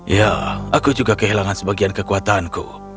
ya aku juga kehilangan sebagian kekuatanku